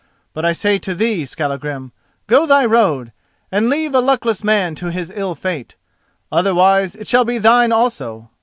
But I say to thee, Skallagrim: go thy road, and leave a luckless man to his ill fate. Otherwise it shall be thine also.